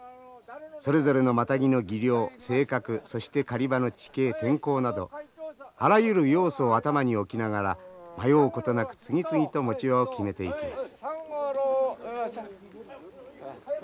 それぞれのマタギの技量性格そして狩り場の地形天候などあらゆる要素を頭に置きながら迷うことなく次々と持ち場を決めていきます。